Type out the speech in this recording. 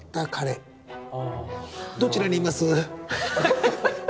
どちらにいます？